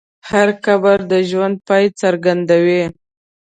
هر قبر د ژوند پای څرګندوي.